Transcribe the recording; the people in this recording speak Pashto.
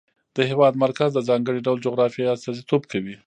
د هېواد مرکز د ځانګړي ډول جغرافیه استازیتوب کوي.